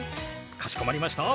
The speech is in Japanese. かしこまりました。